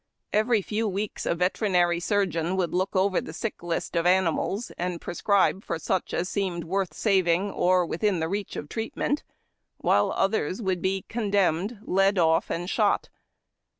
Every few weeks a veterinary sur geon would look over the sick list of animals, and prescribe for such as seemed worth saving or within the reach of treatment, while others would be condemned, led off, and shot.